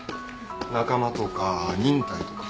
仲間とか忍耐とか。